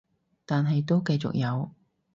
但係都繼續有